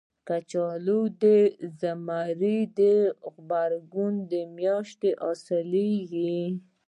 کچالو د زمري او غبرګولي میاشت کې حاصل کېږي